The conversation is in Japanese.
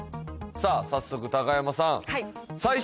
さあ早速高山さん